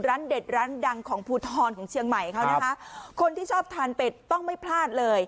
เด็ดร้านดังของภูทรของเชียงใหม่เขานะคะคนที่ชอบทานเป็ดต้องไม่พลาดเลย